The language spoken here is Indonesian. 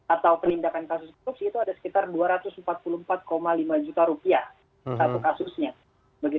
atau penindakan kasus korupsi itu ada sekitar dua ratus empat puluh empat lima juta rupiah satu kasusnya